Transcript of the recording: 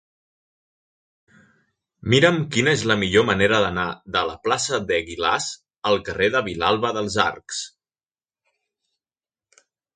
Mira'm quina és la millor manera d'anar de la plaça d'Eguilaz al carrer de Vilalba dels Arcs.